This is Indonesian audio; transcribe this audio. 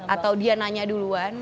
atau dia nanya duluan